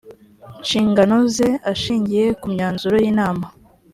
nshingano ze ashingiye ku myanzuro y inama